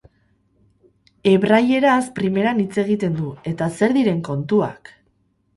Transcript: Hebraieraz primeran hitz egiten du, eta zer diren kontuak!